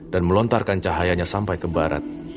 dan melontarkan cahayanya sampai ke barat